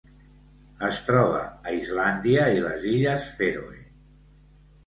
Es troba a Islàndia i les Illes Fèroe.